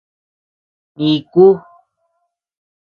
Niku.